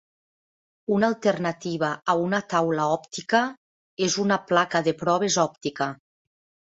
Una alternativa a una taula òptica és una placa de proves òptica.